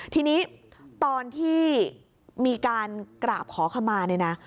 ทีนี้ตอนที่มีการกราบขอข้ามา